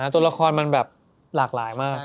ตัวละครมันแบบหลากหลายมาก